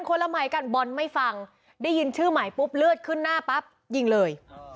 คนละใหม่กันบอลไม่ฟังได้ยินชื่อใหม่ปุ๊บเลือดขึ้นหน้าปั๊บยิงเลย